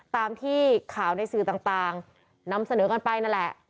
ตามที่ข่าวในสื่อต่างนำเสนอกันไปนั่นแหละ